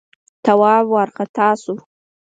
تواب وارخطا شو: